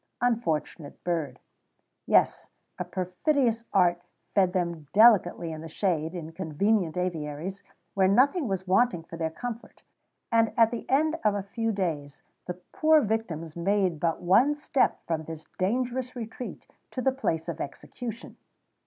Unfortunate bird! Yes, a perfidious art fed them delicately in the shade, in convenient aviaries, where nothing was wanting for their comfort, and at the end of a few days the poor victims made but one step from this dangerous retreat to the place of execution.